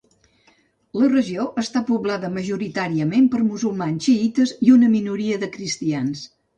La regió està poblada majoritàriament per musulmans xiïtes i una minoria de cristians.